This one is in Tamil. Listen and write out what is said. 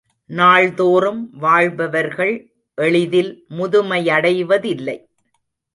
நாள்தோறும் வாழ்பவர்கள் எளிதில் முதுமையடைவதில்லை.